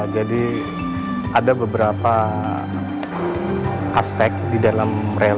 jadi ada beberapa aspek di dalam fitur keamanan